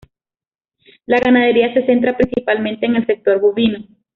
La ganadería se centra principalmente en el sector bovino.